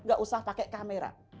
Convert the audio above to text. gak usah pakai kamera